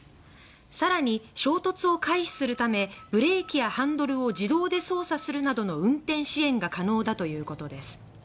更に衝突を回避するためブレーキやハンドルを自動で操作するなどの運転支援が可能だということです。